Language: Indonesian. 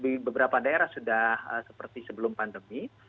di beberapa daerah sudah seperti sebelum pandemi